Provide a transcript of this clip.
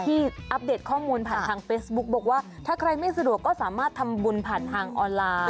อัปเดตข้อมูลผ่านทางเฟซบุ๊กบอกว่าถ้าใครไม่สะดวกก็สามารถทำบุญผ่านทางออนไลน์